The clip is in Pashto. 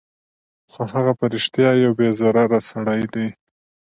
خو هغه په رښتیا یو بې ضرره سړی دی